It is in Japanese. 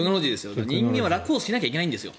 人間は楽をしなきゃいけないんですよ。